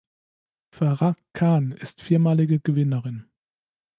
Farah Khan ist viermalige Gewinnerin.